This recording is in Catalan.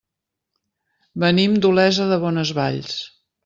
Venim d'Olesa de Bonesvalls.